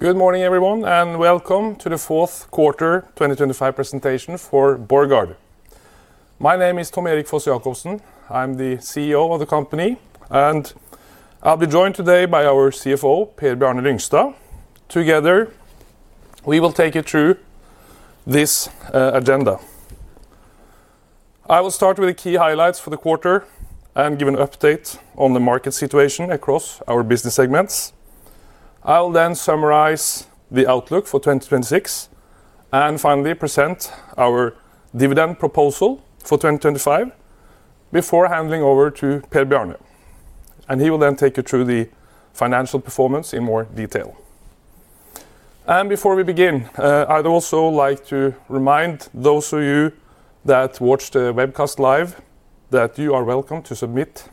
Good morning, everyone, and welcome to the Fourth Quarter 2025 Presentation for Borregaard. My name is Tom Erik Foss-Jacobsen. I'm the CEO of the company, and I'll be joined today by our CFO, Per Bjarne Lyngstad. Together, we will take you through this agenda. I will start with the key highlights for the quarter and give an update on the market situation across our business segments. I will then summarize the outlook for 2026 and finally present our dividend proposal for 2025 before handing over to Per Bjarne, and he will then take you through the financial performance in more detail. Before we begin, I'd also like to remind those of you that watch the webcast live, that you are welcome to submit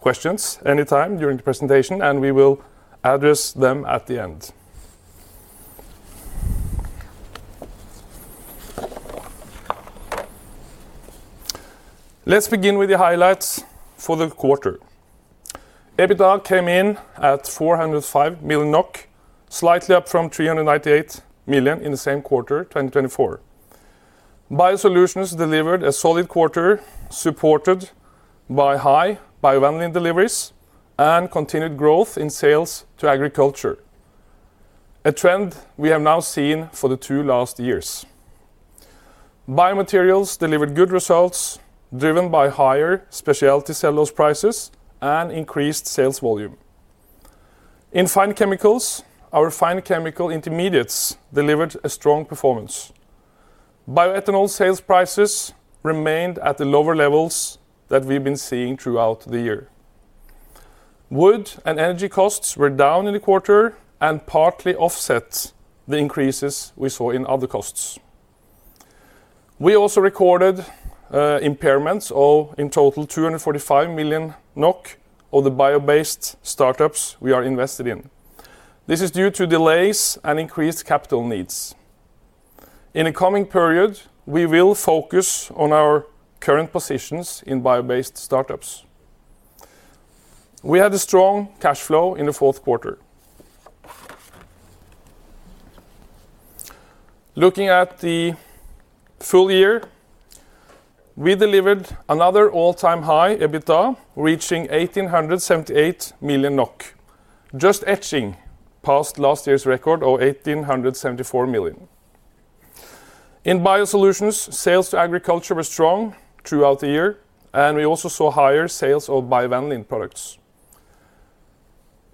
questions anytime during the presentation, and we will address them at the end. Let's begin with the highlights for the quarter. EBITDA came in at 405 million NOK, slightly up from 398 million in the same quarter, 2024. BioSolutions delivered a solid quarter, supported by high bio-vanillin deliveries and continued growth in sales to agriculture, a trend we have now seen for the two last years. BioMaterials delivered good results, driven by higher specialty cellulose prices and increased sales volume. In Fine Chemicals, our fine chemical intermediates delivered a strong performance. Bioethanol sales prices remained at the lower levels that we've been seeing throughout the year. Wood and energy costs were down in the quarter and partly offset the increases we saw in other costs. We also recorded impairments of, in total, 245 million NOK of the bio-based startups we are invested in. This is due to delays and increased capital needs. In the coming period, we will focus on our current positions in bio-based startups. We had a strong cash flow in the fourth quarter. Looking at the full year, we delivered another all-time high EBITDA, reaching 1,878 million NOK, just edging past last year's record of 1,874 million. In BioSolutions, sales to agriculture were strong throughout the year, and we also saw higher sales of bio-vanillin products.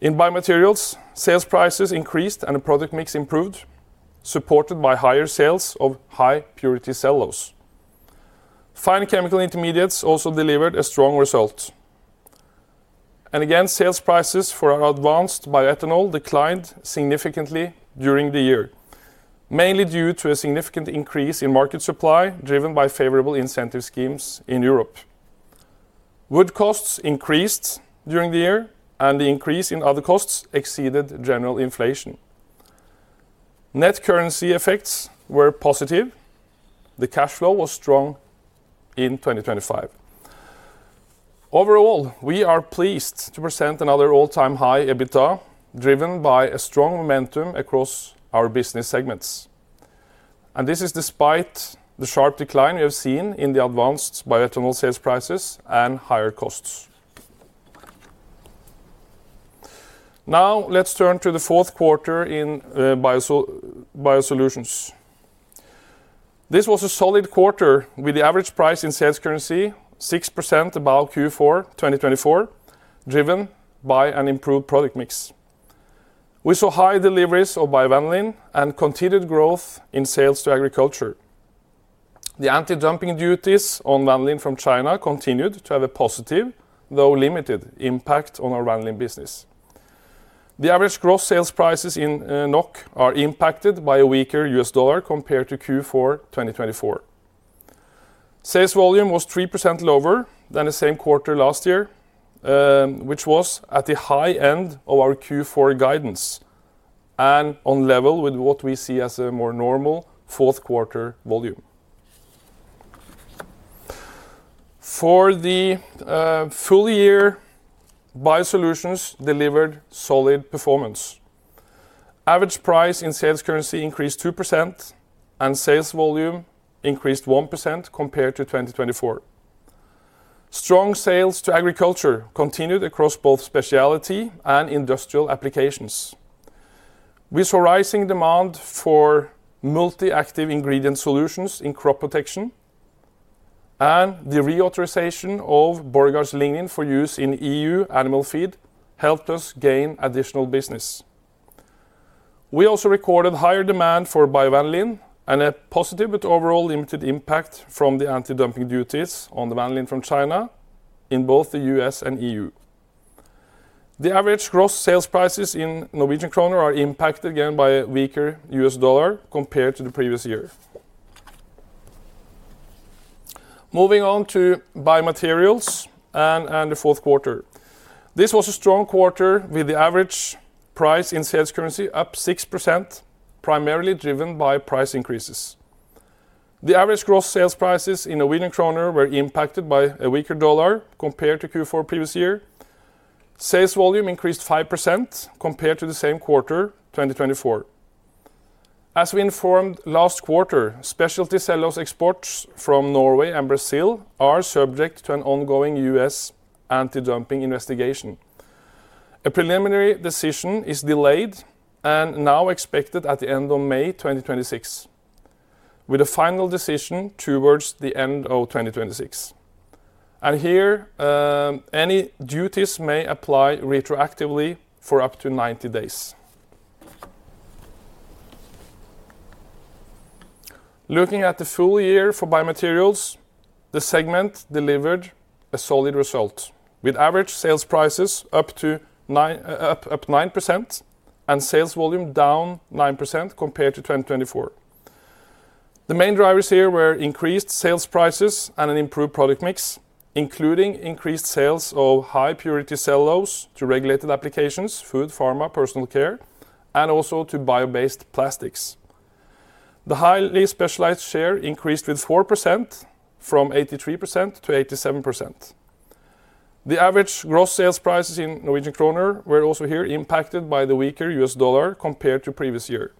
In BioMaterials, sales prices increased, and the product mix improved, supported by higher sales of high-purity cellulose. Fine chemical intermediates also delivered a strong result. And again, sales prices for our advanced bioethanol declined significantly during the year, mainly due to a significant increase in market supply, driven by favorable incentive schemes in Europe. Wood costs increased during the year, and the increase in other costs exceeded general inflation. Net currency effects were positive. The cash flow was strong in 2025. Overall, we are pleased to present another all-time high EBITDA, driven by a strong momentum across our business segments, and this is despite the sharp decline we have seen in the advanced bioethanol sales prices and higher costs. Now, let's turn to the fourth quarter in BioSolutions. This was a solid quarter, with the average price in sales currency 6% above Q4 2024, driven by an improved product mix. We saw high deliveries of bio-vanillin and continued growth in sales to agriculture. The anti-dumping duties on vanillin from China continued to have a positive, though limited, impact on our vanillin business. The average gross sales prices in NOK are impacted by a weaker US dollar compared to Q4 2024. Sales volume was 3% lower than the same quarter last year, which was at the high end of our Q4 guidance and on level with what we see as a more normal fourth quarter volume. For the full year, BioSolutions delivered solid performance. Average price in sales currency increased 2%, and sales volume increased 1% compared to 2024. Strong sales to agriculture continued across both specialty and industrial applications, with rising demand for multi-active ingredient solutions in crop protection, and the reauthorization of Borregaard's lignin for use in EU animal feed helped us gain additional business. We also recorded higher demand for bio-vanillin and a positive, but overall limited impact from the anti-dumping duties on the vanillin from China in both the U.S. and EU. The average gross sales prices in Norwegian kroner are impacted again by a weaker U.S. dollar compared to the previous year. Moving on to BioMaterials and the fourth quarter. This was a strong quarter, with the average price in sales currency up 6%, primarily driven by price increases. The average gross sales prices in Norwegian kroner were impacted by a weaker dollar compared to Q4 previous year. Sales volume increased 5% compared to the same quarter, 2024. As we informed last quarter, specialty cellulose exports from Norway and Brazil are subject to an ongoing U.S. anti-dumping investigation. A preliminary decision is delayed and now expected at the end of May 2026, with a final decision towards the end of 2026. And here, any duties may apply retroactively for up to 90 days. Looking at the full year for BioMaterials, the segment delivered a solid result, with average sales prices up 9% and sales volume down 9% compared to 2024. The main drivers here were increased sales prices and an improved product mix, including increased sales of high-purity cellulose to regulated applications, food, pharma, personal care, and also to bio-based plastics. The highly specialized share increased with 4% from 83% to 87%. The average gross sales prices in Norwegian kroner were also here impacted by the weaker US dollar compared to previous year.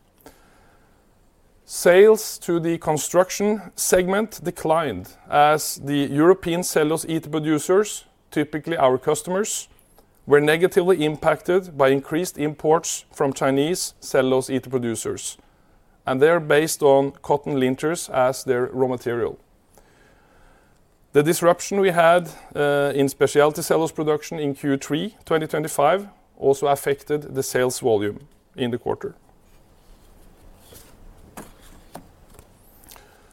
Sales to the construction segment declined as the European cellulose ether producers, typically our customers, were negatively impacted by increased imports from Chinese cellulose ether producers, and they are based on cotton linters as their raw material. The disruption we had in specialty cellulose production in Q3 2025 also affected the sales volume in the quarter.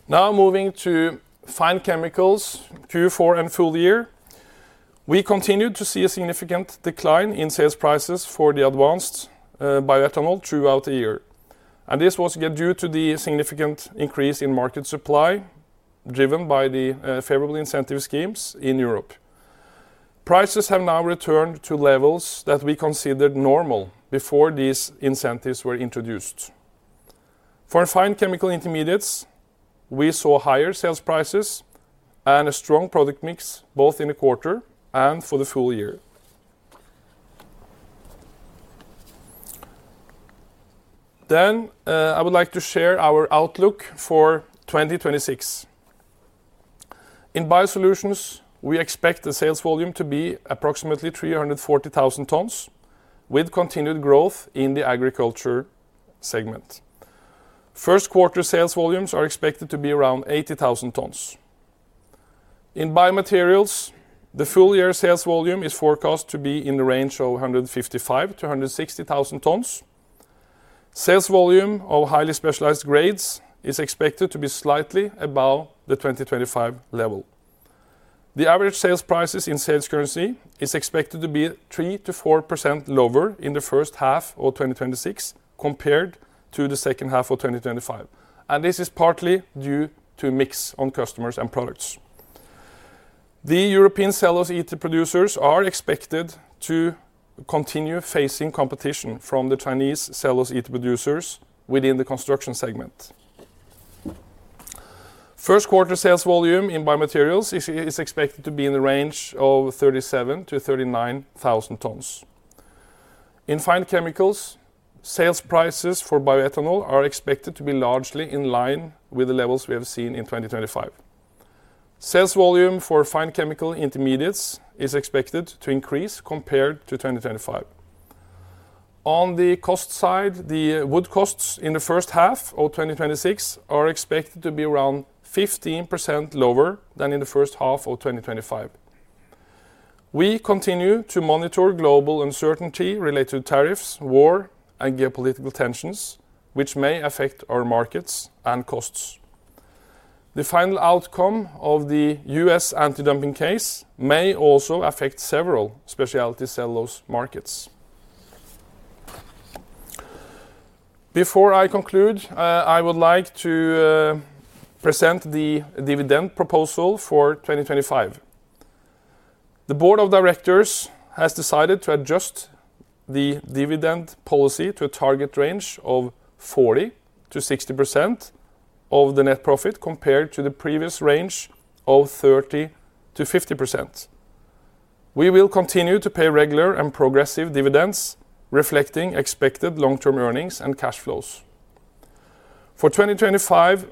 Now moving to Fine Chemicals, Q4, and full year. We continued to see a significant decline in sales prices for the advanced bioethanol throughout the year, and this was again due to the significant increase in market supply, driven by the favorable incentive schemes in Europe. Prices have now returned to levels that we considered normal before these incentives were introduced. For fine chemical intermediates, we saw higher sales prices and a strong product mix, both in the quarter and for the full year. Then, I would like to share our outlook for 2026. In BioSolutions, we expect the sales volume to be approximately 340,000 tons, with continued growth in the agriculture segment. First quarter sales volumes are expected to be around 80,000 tons. In BioMaterials, the full year sales volume is forecast to be in the range of 155,000-160,000 tons. Sales volume of highly specialized grades is expected to be slightly above the 2025 level. The average sales prices in sales currency is expected to be 3% to 4% lower in the first half of 2026, compared to the second half of 2025, and this is partly due to mix on customers and products. The European cellulose ether producers are expected to continue facing competition from the Chinese cellulose ether producers within the construction segment. First quarter sales volume in BioMaterials is expected to be in the range of 37,000 to 39,000 tons. In Fine Chemicals, sales prices for bioethanol are expected to be largely in line with the levels we have seen in 2025. Sales volume for fine chemical intermediates is expected to increase compared to 2025. On the cost side, the wood costs in the first half of 2026 are expected to be around 15% lower than in the first half of 2025. We continue to monitor global uncertainty related to tariffs, war, and geopolitical tensions, which may affect our markets and costs. The final outcome of the U.S. anti-dumping case may also affect several specialty cellulose markets. Before I conclude, I would like to present the dividend proposal for 2025. The board of directors has decided to adjust the dividend policy to a target range of 40%-60% of the net profit, compared to the previous range of 30%-50%. We will continue to pay regular and progressive dividends, reflecting expected long-term earnings and cash flows. For 2025,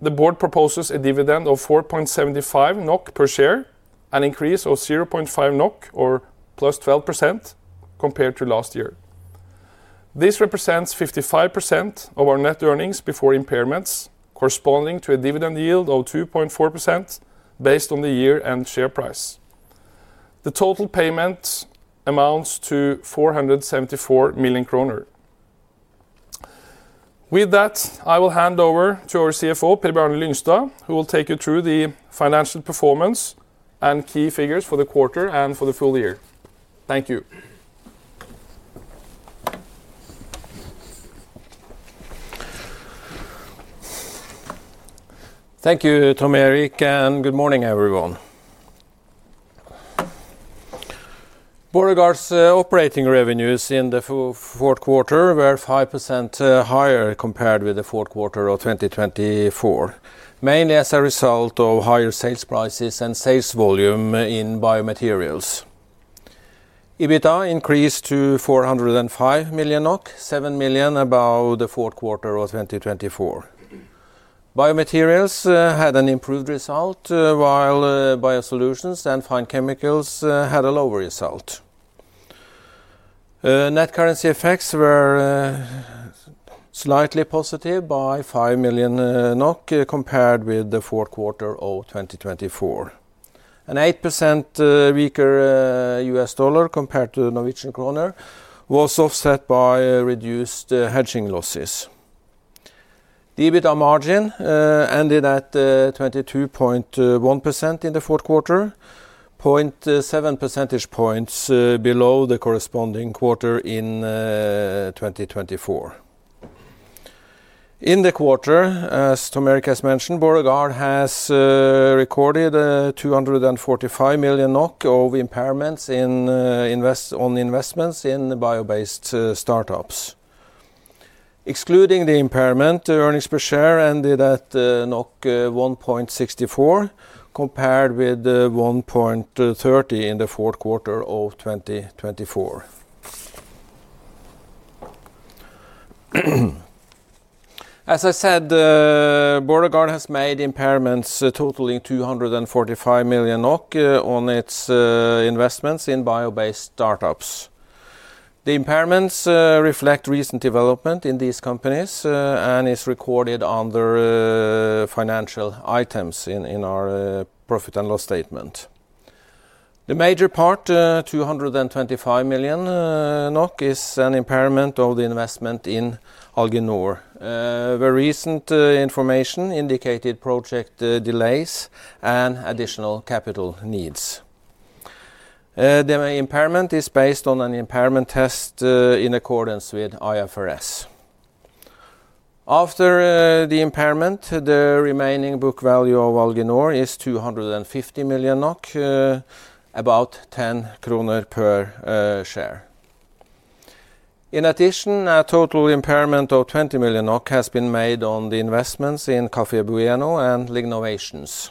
the board proposes a dividend of 4.75 NOK per share, an increase of 0.5 NOK, or +12% compared to last year. This represents 55% of our net earnings before impairments, corresponding to a dividend yield of 2.4% based on the year-end share price. The total payment amounts to 474 million kroner. With that, I will hand over to our CFO, Per Bjarne Lyngstad, who will take you through the financial performance and key figures for the quarter and for the full year. Thank you. Thank you, Tom Erik, and good morning, everyone. Borregaard's operating revenues in the fourth quarter were 5% higher compared with the fourth quarter of 2024, mainly as a result of higher sales prices and sales volume in BioMaterials. EBITDA increased to 405 million NOK, 7 million NOK above the fourth quarter of 2024. BioMaterials had an improved result, while BioSolutions and Fine Chemicals had a lower result. Net currency effects were slightly positive by 5 million NOK compared with the fourth quarter of 2024. An 8% weaker US dollar compared to the Norwegian kroner was offset by reduced hedging losses. The EBITDA margin ended at 22.1% in the fourth quarter, 0.7 percentage points below the corresponding quarter in 2024. In the quarter, as Tom Erik has mentioned, Borregaard has recorded 245 million NOK of impairments in on investments in the bio-based startups. Excluding the impairment, the earnings per share ended at 1.64, compared with 1.30 in the fourth quarter of 2024. As I said, Borregaard has made impairments totaling 245 million NOK on its investments in bio-based startups. The impairments reflect recent development in these companies and is recorded under financial items in our profit and loss statement. The major part 225 million NOK is an impairment of the investment in Alginor. Where recent information indicated project delays and additional capital needs. The impairment is based on an impairment test, in accordance with IFRS. After the impairment, the remaining book value of Alginor is 250 million NOK, about 10 kroner per share. In addition, a total impairment of 20 million NOK has been made on the investments in Kaffe Bueno and Lignovations.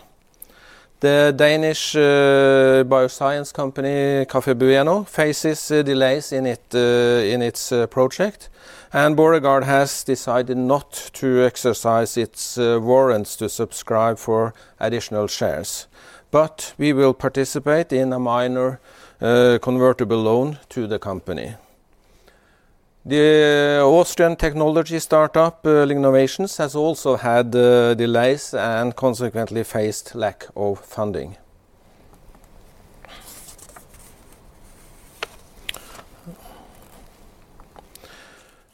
The Danish bioscience company, Kaffe Bueno, faces delays in its project, and Borregaard has decided not to exercise its warrants to subscribe for additional shares. But we will participate in a minor convertible loan to the company. The Austrian technology startup, Lignovations, has also had delays and consequently faced lack of funding.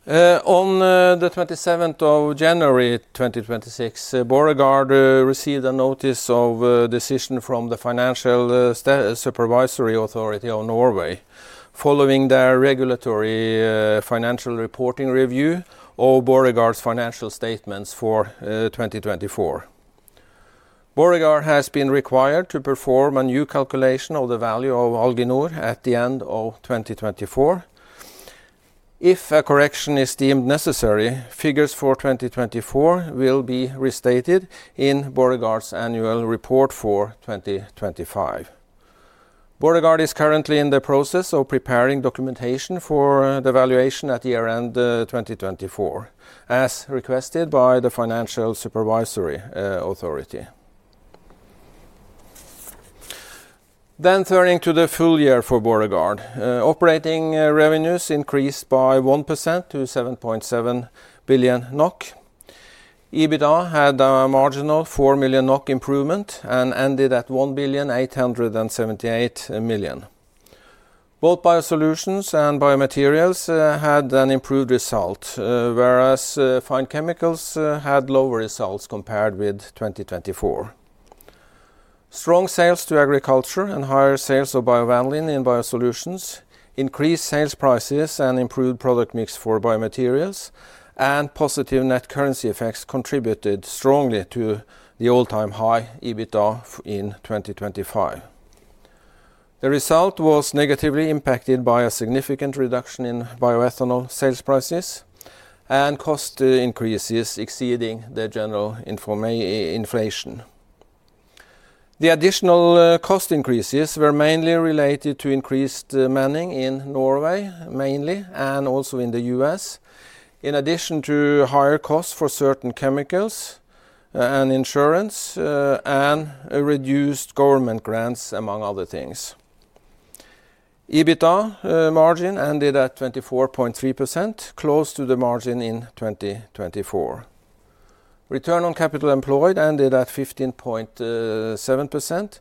On the twenty-seventh of January, 2026, Borregaard received a notice of decision from the Financial Supervisory Authority of Norway, following their regulatory financial reporting review of Borregaard's financial statements for 2024. Borregaard has been required to perform a new calculation of the value of Alginor at the end of 2024. If a correction is deemed necessary, figures for 2024 will be restated in Borregaard's annual report for 2025. Borregaard is currently in the process of preparing documentation for the valuation at year-end 2024, as requested by the Financial Supervisory Authority. Then turning to the full year for Borregaard. Operating revenues increased by 1% to 7.7 billion NOK. EBITDA had a marginal 4 million NOK improvement and ended at 1,878 million. Both BioSolutions and BioMaterials had an improved result, whereas Fine Chemicals had lower results compared with 2024. Strong sales to agriculture and higher sales of bio-vanillin in BioSolutions, increased sales prices and improved product mix for BioMaterials, and positive net currency effects contributed strongly to the all-time high EBITDA in 2025. The result was negatively impacted by a significant reduction in bioethanol sales prices and cost increases exceeding the general inflation. The additional cost increases were mainly related to increased manning in Norway, mainly, and also in the U.S., in addition to higher costs for certain chemicals and insurance and a reduced government grants, among other things. EBITDA margin ended at 24.3%, close to the margin in 2024. Return on capital employed ended at 15.7%,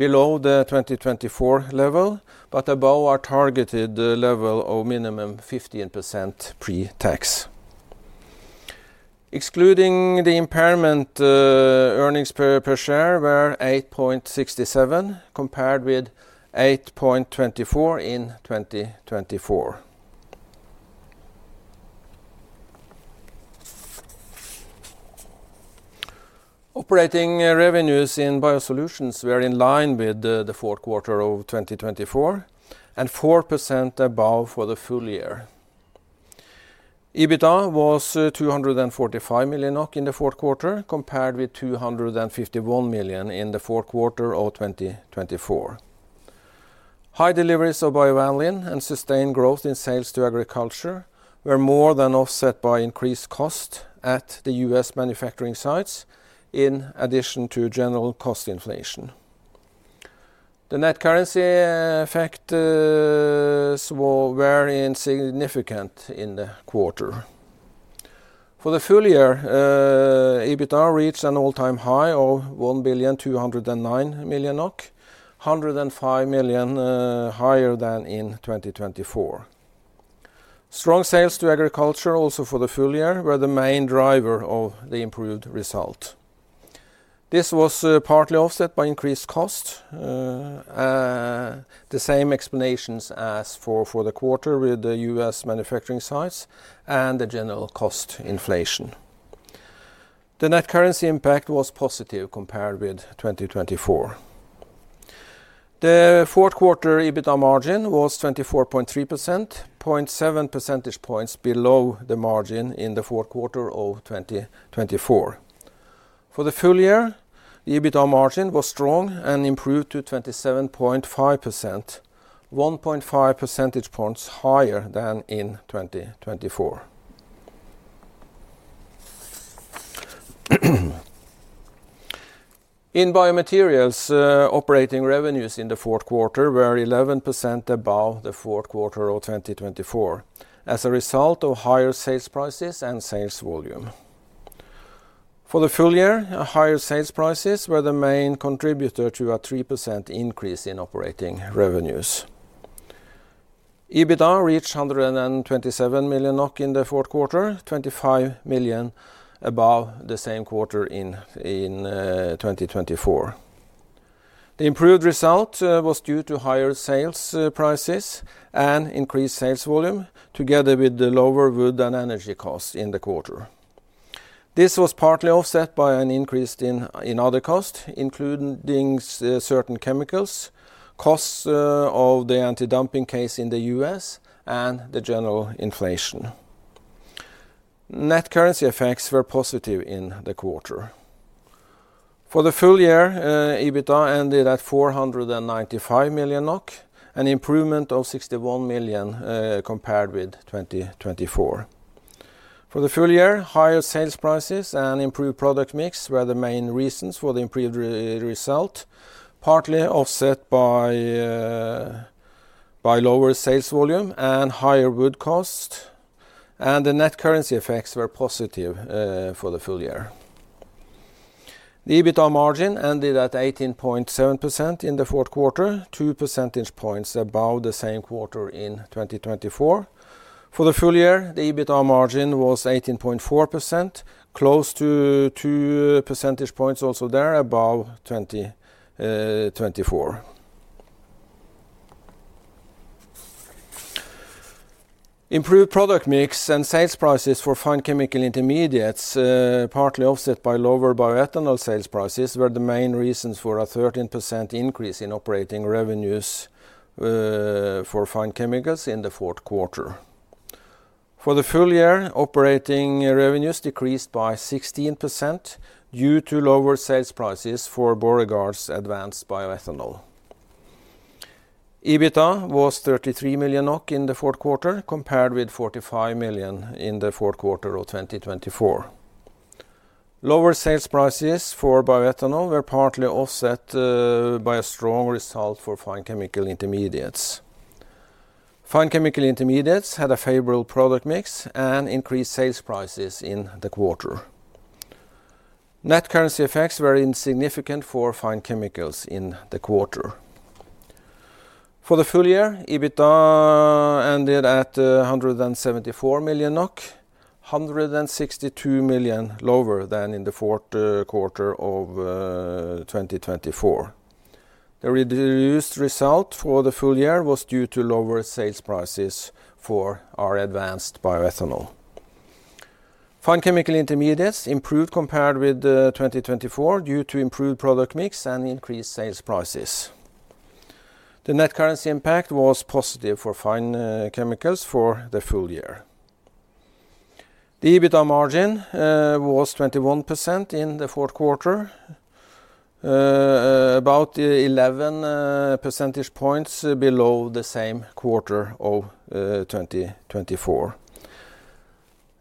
below the 2024 level, but above our targeted level of minimum 15% pre-tax. Excluding the impairment, earnings per share were 8.67, compared with 8.24 in 2024. Operating revenues in BioSolutions were in line with the fourth quarter of 2024, and 4% above for the full year. EBITDA was 245 million NOK in the fourth quarter, compared with 251 million in the fourth quarter of 2024. High deliveries of bio-vanillin and sustained growth in sales to agriculture were more than offset by increased costs at the U.S. manufacturing sites, in addition to general cost inflation. The net currency effects were very insignificant in the quarter. For the full year, EBITDA reached an all-time high of 1,209 million NOK, 105 million higher than in 2024. Strong sales to agriculture, also for the full year, were the main driver of the improved result. This was partly offset by increased costs, the same explanations as for the quarter with the U.S. manufacturing sites and the general cost inflation. The net currency impact was positive compared with 2024. The fourth quarter EBITDA margin was 24.3%, 0.7 percentage points below the margin in the fourth quarter of 2024. For the full year, the EBITDA margin was strong and improved to 27.5%, 1.5 percentage points higher than in 2024. In BioMaterials, operating revenues in the fourth quarter were 11% above the fourth quarter of 2024, as a result of higher sales prices and sales volume. For the full year, higher sales prices were the main contributor to a 3% increase in operating revenues. EBITDA reached 127 million NOK in the fourth quarter, 25 million above the same quarter in 2024. The improved result was due to higher sales prices and increased sales volume, together with the lower wood and energy costs in the quarter. This was partly offset by an increase in other costs, including certain chemicals costs of the anti-dumping case in the U.S., and the general inflation. Net currency effects were positive in the quarter. For the full year, EBITDA ended at 495 million NOK, an improvement of 61 million compared with 2024. For the full year, higher sales prices and improved product mix were the main reasons for the improved result, partly offset by lower sales volume and higher wood costs, and the net currency effects were positive for the full year. The EBITDA margin ended at 18.7% in the fourth quarter, two percentage points above the same quarter in 2024. For the full year, the EBITDA margin was 18.4%, close to two percentage points, also there, above 2024. Improved product mix and sales prices for fine chemical intermediates, partly offset by lower bioethanol sales prices, were the main reasons for a 13% increase in operating revenues for Fine Chemicals in the fourth quarter. For the full year, operating revenues decreased by 16% due to lower sales prices for Borregaard's advanced bioethanol. EBITDA was 33 million NOK in the fourth quarter, compared with 45 million in the fourth quarter of 2023. Lower sales prices for bioethanol were partly offset by a strong result for fine chemical intermediates. Fine chemical intermediates had a favorable product mix and increased sales prices in the quarter. Net currency effects were insignificant for Fine Chemicals in the quarter. For the full year, EBITDA ended at 174 million NOK, 162 million lower than in 2023. The reduced result for the full year was due to lower sales prices for our advanced bioethanol. Fine chemical intermediates improved compared with 2024, due to improved product mix and increased sales prices. The net currency impact was positive for fine chemicals for the full year. The EBITDA margin was 21% in the fourth quarter, about 11 percentage points below the same quarter of 2024.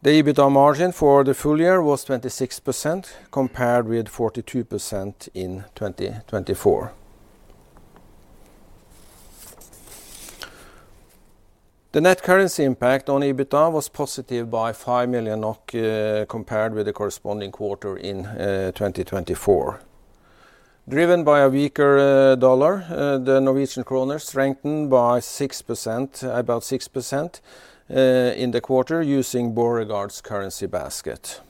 The EBITDA margin for the full year was 26%, compared with 42% in 2024. The net currency impact on EBITDA was positive by 5 million NOK, compared with the corresponding quarter in 2024. Driven by a weaker dollar, the Norwegian kroner strengthened by 6%, about 6%, in the quarter, using Borregaard's currency basket.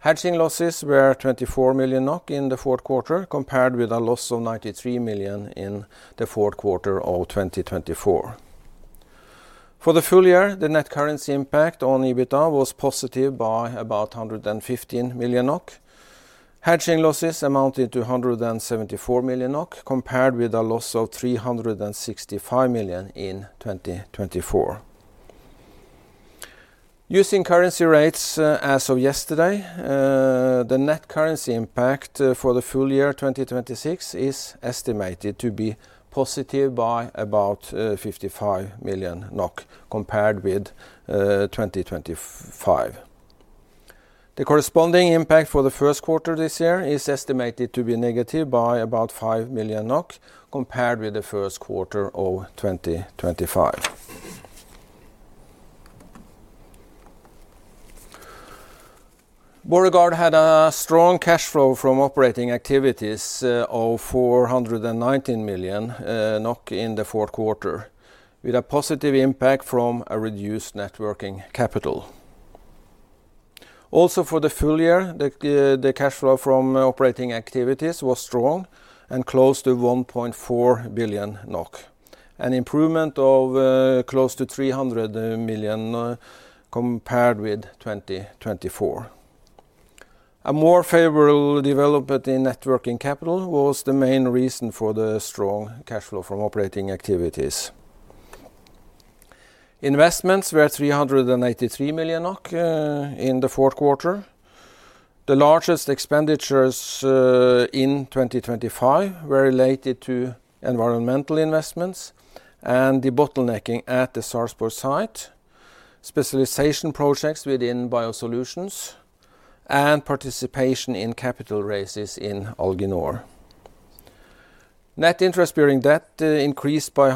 Hedging losses were 24 million NOK in the fourth quarter, compared with a loss of 93 million in the fourth quarter of 2024. For the full year, the net currency impact on EBITDA was positive by about 115 million NOK. Hedging losses amounted to 174 million NOK, compared with a loss of 365 million in 2024. Using currency rates as of yesterday, the net currency impact for the full year 2026 is estimated to be positive by about 55 million NOK, compared with 2025. The corresponding impact for the first quarter this year is estimated to be negative by about 5 million NOK, compared with the first quarter of 2025. Borregaard had a strong cash flow from operating activities of 419 million NOK in the fourth quarter, with a positive impact from a reduced net working capital. Also, for the full year, the cash flow from operating activities was strong and close to 1.4 billion NOK, an improvement of close to 300 million compared with 2024. A more favorable development in net working capital was the main reason for the strong cash flow from operating activities. Investments were 383 million NOK in the fourth quarter. The largest expenditures in 2025 were related to environmental investments and debottlenecking at the Sarpsborg site, specialization projects within BioSolutions, and participation in capital raises in Alginor. Net interest-bearing debt increased by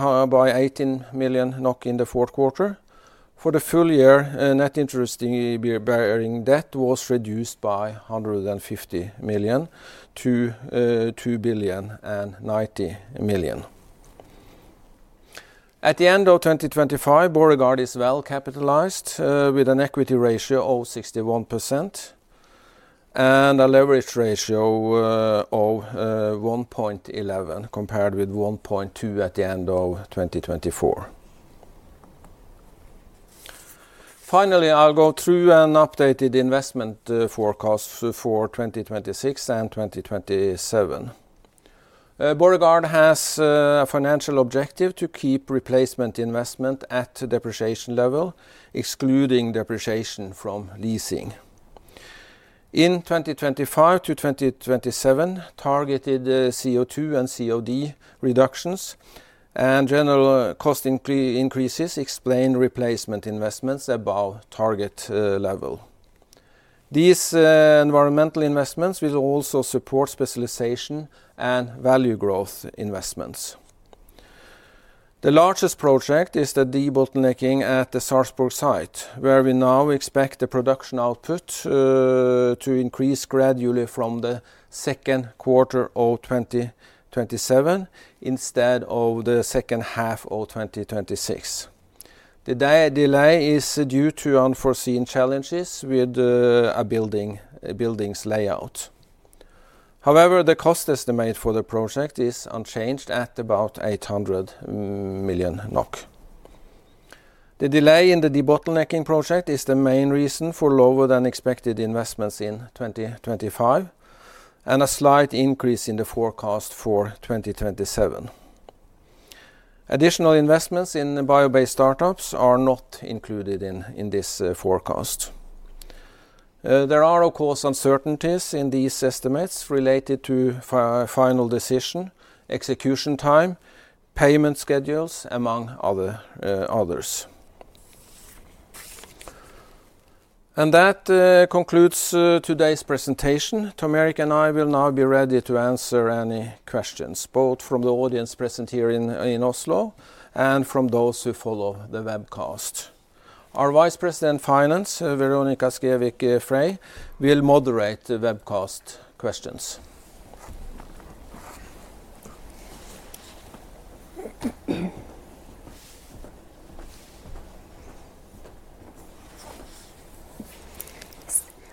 18 million NOK in the fourth quarter. For the full year, net interest-bearing debt was reduced by 150 million to 2.09 billion. At the end of 2025, Borregaard is well-capitalized, with an equity ratio of 61% and a leverage ratio of 1.11, compared with 1.2 at the end of 2024. Finally, I'll go through an updated investment forecast for 2026 and 2027. Borregaard has a financial objective to keep replacement investment at depreciation level, excluding depreciation from leasing. In 2025-2027, targeted CO2 and COD reductions and general cost increases explain replacement investments above target level. These environmental investments will also support specialization and value growth investments. The largest project is the debottlenecking at the Sarpsborg site, where we now expect the production output to increase gradually from the second quarter of 2027, instead of the second half of 2026. The delay is due to unforeseen challenges with a building's layout. However, the cost estimate for the project is unchanged at about 800 million NOK. The delay in the debottlenecking project is the main reason for lower-than-expected investments in 2025, and a slight increase in the forecast for 2027. Additional investments in the bio-based startups are not included in this forecast. There are, of course, uncertainties in these estimates related to final decision, execution time, payment schedules, among others. And that concludes today's presentation. Tom Erik and I will now be ready to answer any questions, both from the audience present here in Oslo, and from those who follow the webcast. Our Vice President, Finance, Veronica Skevik Frey, will moderate the webcast questions.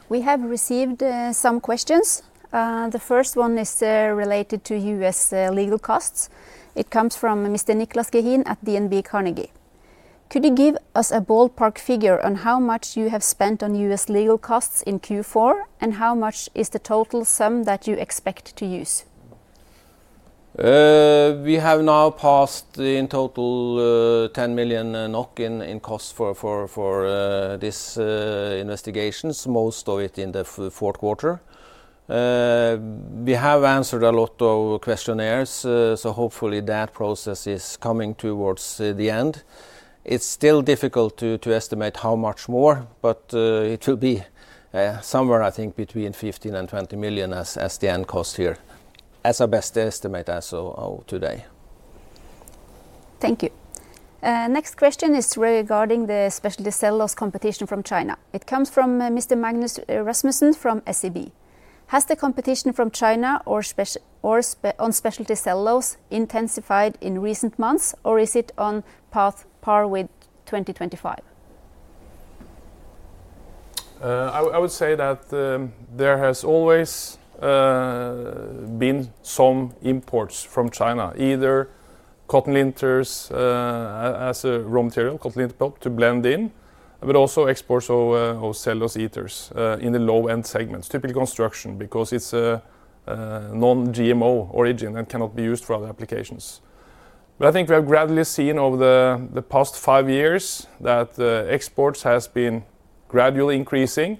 We have received some questions. The first one is related to U.S. legal costs. It comes from Mr. Niclas Gehin at DNB Markets: Could you give us a ballpark figure on how much you have spent on U.S. legal costs in Q4, and how much is the total sum that you expect to use? We have now passed in total 10 million NOK in costs for these investigations, most of it in the fourth quarter. We have answered a lot of questionnaires, so hopefully that process is coming towards the end. It's still difficult to estimate how much more, but it will be somewhere, I think, between 15 million to 20 million as the end cost here, as a best estimate as of today. Thank you. Next question is regarding the specialty cellulose competition from China. It comes from Mr. Magnus Rasmussen from SEB: Has the competition from China on specialty cellulose intensified in recent months, or is it on par with 2025? I would, I would say that, there has always, been some imports from China, either cotton linters, as a raw material, cotton linter pulp to blend in, but also exports of, of cellulose ethers, in the low-end segments, typically construction, because it's a, a non-GMO origin and cannot be used for other applications. But I think we have gradually seen over the, the past five years that the exports has been gradually increasing.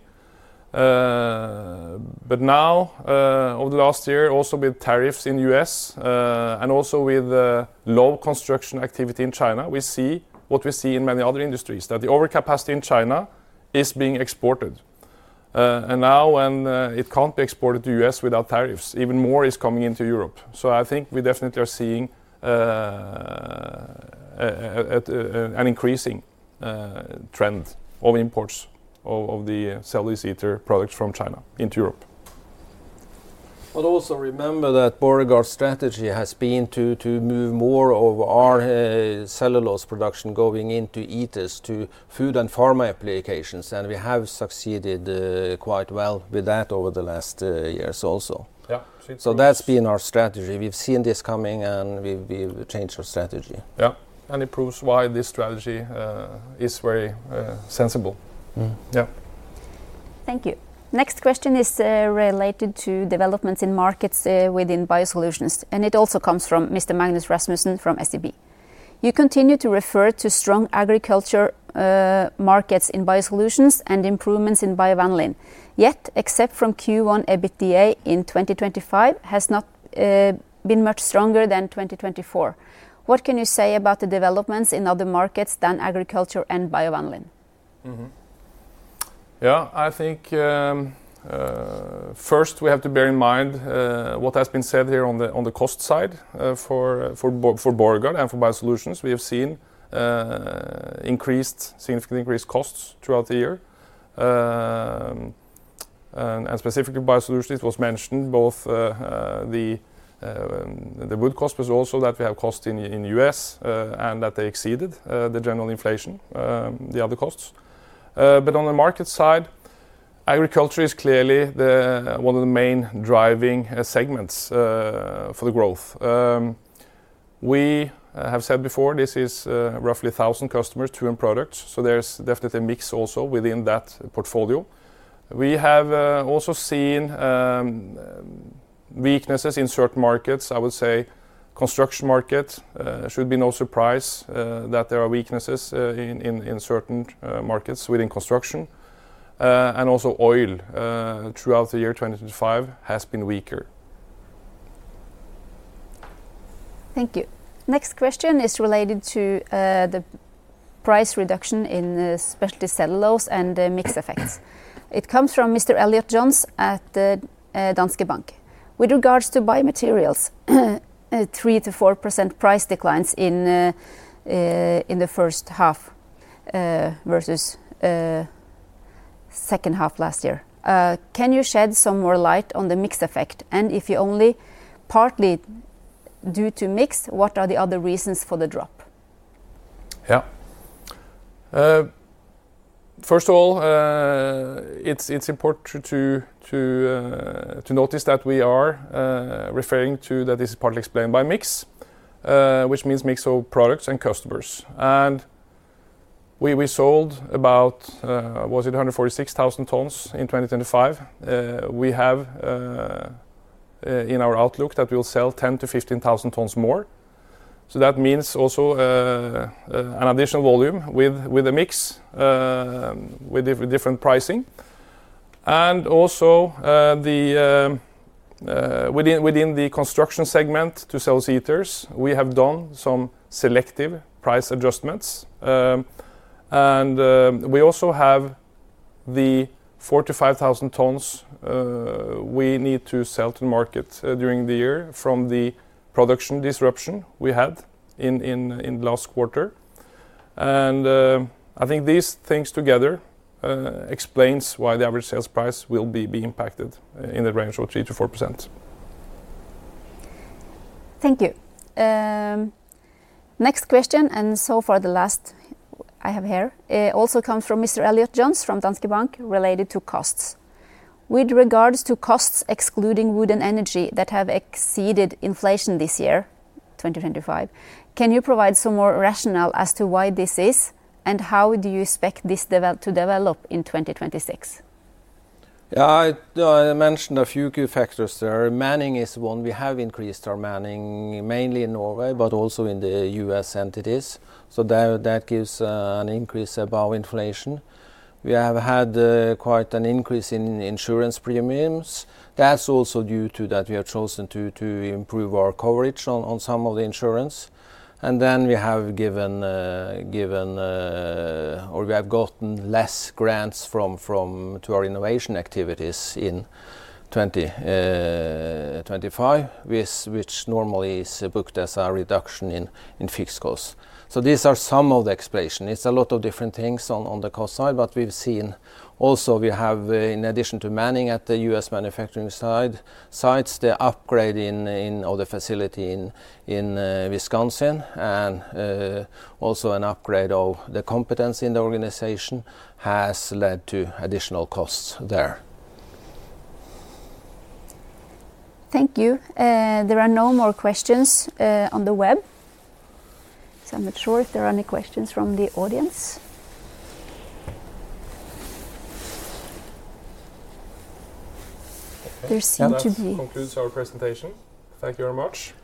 But now, over the last year, also with tariffs in the U.S., and also with, low construction activity in China, we see what we see in many other industries, that the overcapacity in China is being exported. And now when, it can't be exported to U.S. without tariffs, even more is coming into Europe. So I think we definitely are seeing an increasing trend of imports of the cellulose ether products from China into Europe. Also remember that Borregaard's strategy has been to move more of our cellulose production going into ethers, to food and pharma applications, and we have succeeded quite well with that over the last years also. That's been our strategy. We've seen this coming, and we've changed our strategy. Yeah, and it proves why this strategy is very sensible. Thank you. Next question is related to developments in markets within BioSolutions, and it also comes from Mr. Magnus Rasmussen from SEB. "You continue to refer to strong agriculture markets in BioSolutions and improvements in bio-vanillin. Yet, except from Q1, EBITDA in 2025 has not been much stronger than 2024. What can you say about the developments in other markets than agriculture and bio-vanillin? I think first we have to bear in mind what has been said here on the cost side for Borregaard and for BioSolutions. We have seen significantly increased costs throughout the year. And specifically BioSolutions, it was mentioned both the wood cost but also that we have costs in the U.S. and that they exceeded the general inflation, the other costs. But on the market side, agriculture is clearly the one of the main driving segments for the growth. We have said before, this is roughly 1,000 customers, 200 products, so there's definitely a mix also within that portfolio. We have also seen weaknesses in certain markets. I would say construction market should be no surprise that there are weaknesses in certain markets within construction. And also oil throughout the year 2025 has been weaker. Thank you. Next question is related to the price reduction in the specialty cellulose and the mix effects. It comes from Mr. Elliott Jones at the Danske Bank. "With regards to BioMaterials, 3% to 4% price declines in the first half versus second half last year. Can you shed some more light on the mix effect? And if you only partly due to mix, what are the other reasons for the drop? Yeah. First of all, it's important to notice that we are referring to that this is partly explained by mix, which means mix of products and customers. And we sold about, was it 146,000 tons in 2025? We have in our outlook that we'll sell 10,000 tons to 15,000 tons more, so that means also an additional volume with a mix with different pricing. And also, within the construction segment to cellulose ethers, we have done some selective price adjustments. And we also have the 45,000 tons we need to sell to market during the year from the production disruption we had in the last quarter. And, I think these things together explains why the average sales price will be impacted in the range of 3%-4%. Thank you. Next question, and so far the last I have here, also comes from Mr. Elliott Jones from Danske Bank, related to costs. "With regards to costs, excluding wood and energy, that have exceeded inflation this year, 2025, can you provide some more rationale as to why this is, and how do you expect this to develop in 2026? Yeah, I mentioned a few key factors there. Manning is one. We have increased our manning, mainly in Norway, but also in the U.S. entities, so that gives an increase above inflation. We have had quite an increase in insurance premiums. That's also due to that we have chosen to improve our coverage on some of the insurance. And then or we have gotten less grants from to our innovation activities in 2025, which normally is booked as a reduction in fixed costs. So these are some of the explanation. It's a lot of different things on the cost side, but we've seen. Also, we have, in addition to manning at the U.S. manufacturing sites, the upgrade of the facility in Wisconsin, and also an upgrade of the competence in the organization has led to additional costs there. Thank you. There are no more questions on the web, so I'm not sure if there are any questions from the audience. There seem to be. That concludes our presentation. Thank you very much. Thank you.